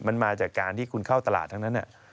มันมาจากการที่คุณเข้าตลาดทั้งนั้น